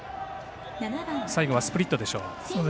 最後はスプリットでしょうか。